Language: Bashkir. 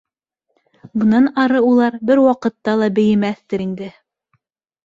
Бынан ары улар бер ваҡытта ла бейемәҫтер инде.